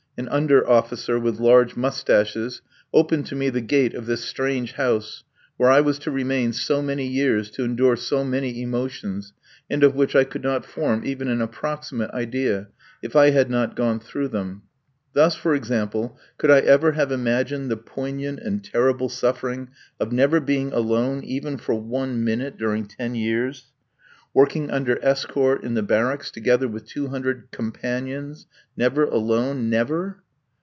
An under officer with large moustaches opened to me the gate of this strange house, where I was to remain so many years, to endure so many emotions, and of which I could not form even an approximate idea, if I had not gone through them. Thus, for example, could I ever have imagined the poignant and terrible suffering of never being alone even for one minute during ten years? Working under escort in the barracks together with two hundred "companions;" never alone, never!